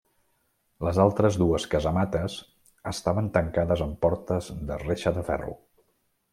Les altres dues casamates estaven tancades amb portes de reixa de ferro.